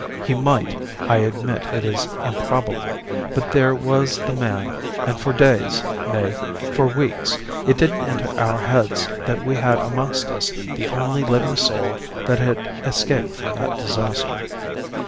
He might. I admit it is improbable, but there was the man and for days, nay, for weeks it didn't enter our heads that we had amongst us the only living soul that had escaped from that disaster.